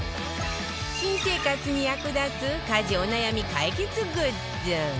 新生活に役立つ家事お悩み解決グッズ